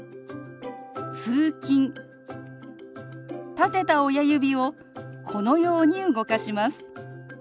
立てた親指をこのように動かします。